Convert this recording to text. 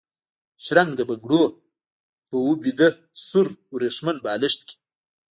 شرنګ د بنګړو، به و بیده سور وریښمین بالښت کي